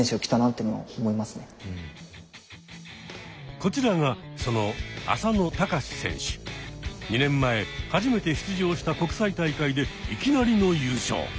こちらがその２年前初めて出場した国際大会でいきなりの優勝。